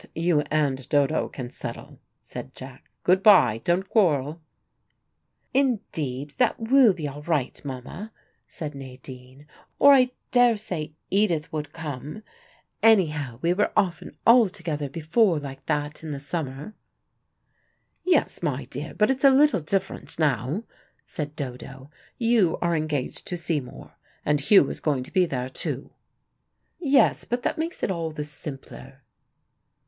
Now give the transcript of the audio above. "That you and Dodo can settle," said Jack. "Good by: don't quarrel." "Indeed, that will be all right, Mama," said Nadine, "or I daresay Edith would come. Anyhow, we were often all together before like that in the summer." "Yes, my dear, but it's a little different now," said Dodo. "You are engaged to Seymour, and Hugh is going to be there, too." "Yes, but that makes it all the simpler."